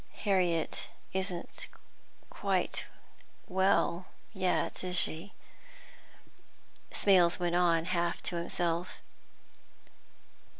"Harriet isn't quite well yet, is she?" Smales went on, half to himself.